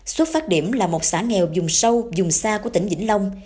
xuất phát điểm là một xã nghèo dùng sâu dùng xa của tỉnh vĩnh long